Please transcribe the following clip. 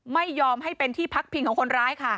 ไม่ยอมให้เป็นที่พักพิงของคนร้ายค่ะ